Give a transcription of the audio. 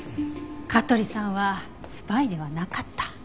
香取さんはスパイではなかった。